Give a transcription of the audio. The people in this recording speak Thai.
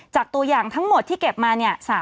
จากตัวอย่างทั้งหมดที่เก็บมา